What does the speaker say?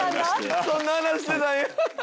そんな話してたんや。